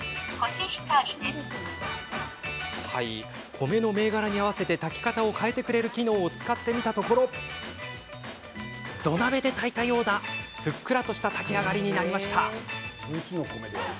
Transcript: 米の銘柄に合わせて炊き方を変えてくれる機能を使ってみたところ土鍋で炊いたようなふっくらとした炊き上がりになりました。